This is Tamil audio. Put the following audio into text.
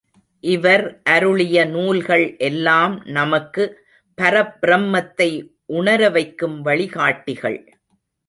இவர் அருளிய நூல்கள் எல்லாம் நமக்கு, பரப்பிரம்மத்தை உணரவைக்கும் வழிகாட்டிகள்.